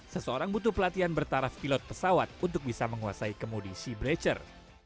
seseorang butuh pelatihan bertaraf pilot pesawat untuk bisa menguasai kemudi sea breacher